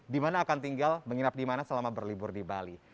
di mana akan tinggal menginap di mana selama berlibur di bali